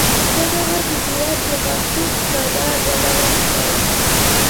زه هغه د هېواد یو معصوم کادر بللی دی.